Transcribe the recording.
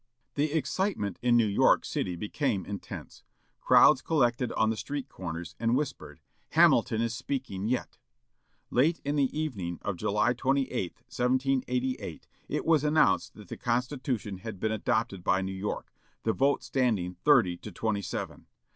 The excitement in New York city became intense. Crowds collected on the street corners, and whispered, "Hamilton is speaking yet!" Late in the evening of July 28, 1788, it was announced that the Constitution had been adopted by New York, the vote standing thirty to twenty seven.